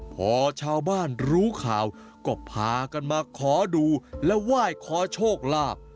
พอชาวบ้านรู้ข่าวก็พากันมาขอดูและไหว้ขอโชคลาภ